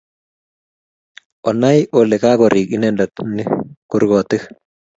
Onai ole kagorik inendet ni kurgotik